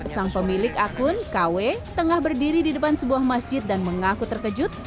sang pemilik akun kw tengah berdiri di depan sebuah masjid dan mengaku terkejut